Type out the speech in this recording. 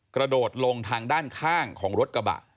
กระโดดลงทางด้านข้างของรถกระบะ